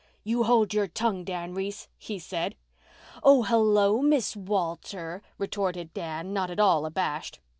"You hold your tongue, Dan Reese!" he said. "Oh, hello, Miss Walter," retorted Dan, not at all abashed.